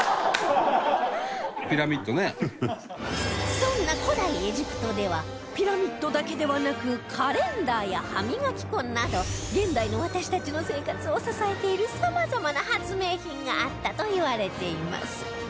そんな古代エジプトではピラミッドだけではなくカレンダーや歯磨き粉など現代の私たちの生活を支えているさまざまな発明品があったといわれています